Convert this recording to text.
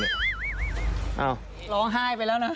อ้าวร้องไห้ไปแล้วนะ